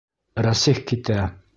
Рәсих китә.